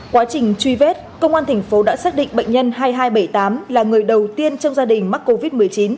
quá trình truy vết công an thành phố đã xác định bệnh nhân hai nghìn hai trăm bảy mươi tám là người đầu tiên trong gia đình mắc covid một mươi chín